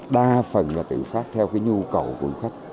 đa phần là tự phát theo cái nhu cầu của du khách